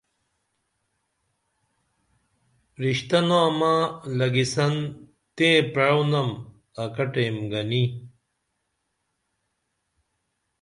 رشتہ نامہ لگیسن تئیں پرعئونم اکٹیئم گنی